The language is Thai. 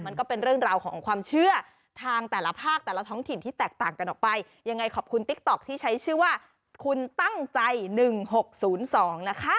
มันก็เป็นเรื่องราวของความเชื่อทางแต่ละภาคแต่ละท้องถิ่นที่แตกต่างกันออกไปยังไงขอบคุณติ๊กต๊อกที่ใช้ชื่อว่าคุณตั้งใจ๑๖๐๒นะคะ